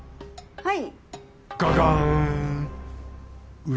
はい。